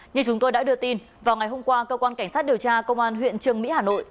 như chúng tôi đã đưa tin vào ngày hôm qua cơ quan cảnh sát điều tra công an huyện trường mỹ hà nội